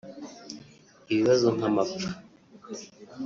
Ibibazo nkamapfa